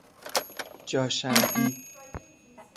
جا شمعی